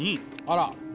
あら！